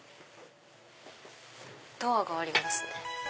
ドアがありますね。